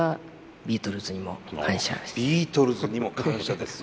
ビートルズにも感謝ですよ。